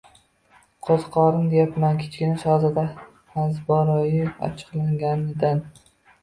Qo‘ziqorin, deyapman! — Kichkina shahzoda azboroyi achchiqlanganidan